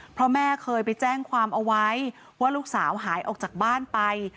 เพราะแม่เคยไปแจ้งความเอาไว้ว่าลูกสาวหายออกจากบ้านไป